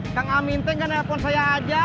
kang amin teng kan telepon saya aja